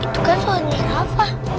itu kan suara nerafa